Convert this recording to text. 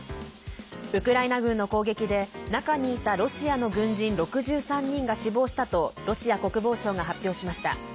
ウクライナ軍の攻撃で中にいたロシアの軍人６３人が死亡したとロシア国防省が発表しました。